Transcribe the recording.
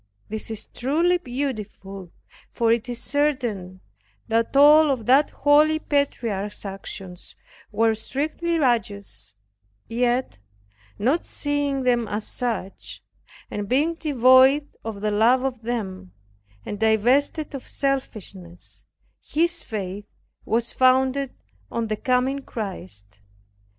This is truly beautiful for it is certain that all of that holy patriarch's actions were strictly righteous; yet, not seeing them as such, and being devoid of the love of them, and divested of selfishness, his faith was founded on the coming Christ.